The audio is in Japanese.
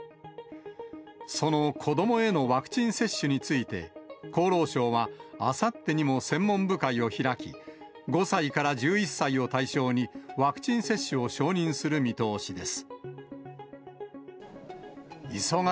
その子どもへのワクチン接種について、厚労省はあさってにも専門部会を開き、５歳から１１歳を対象に、ワクチン接種を承認する見通しです。